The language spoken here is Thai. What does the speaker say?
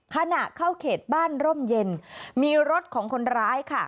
ขณะเข้าเขตบ้านร่มเย็นมีรถของคนร้ายค่ะ